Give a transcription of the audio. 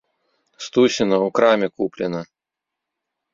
Стусіна, у краме куплена.